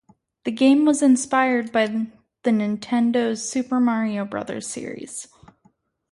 The game was inspired by the Nintendo's "Super Mario Brothers" series.